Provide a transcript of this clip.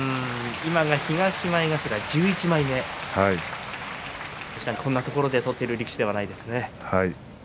今は東前頭１１枚目こんなところで取っている力士ではありませんね。